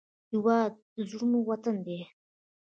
هېواد د زړورو وطن دی